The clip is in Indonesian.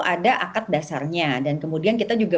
ada akat dasarnya dan kemudian kita juga